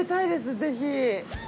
ぜひ。